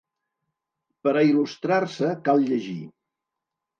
Per a il·lustrar-se, cal llegir.